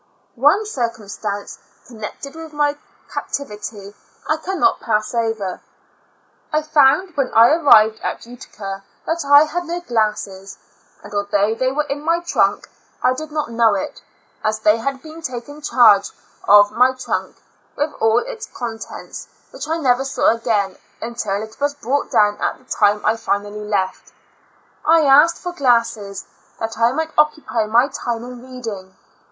One circumstance connected with my captivity, I cannot pass over. I found when I arrived at Utica that I had no glasses, and although they were in my trunk, I did not know it, as they had taken charge of my trunk, with all its contents, which I « never saw again until it was brought down at the time I finally left. I asked for glasses, that I might occupy my time in reading.